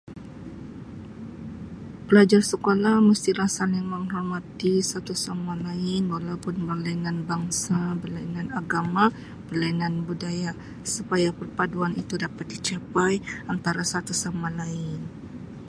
Pelajar sekolah mestilah saling menghormati satu sama lain walaupun berlainan bangsa, berlainan agama, berlainan budaya supaya perpaduan itu dapat dicapai antara satu sama lain.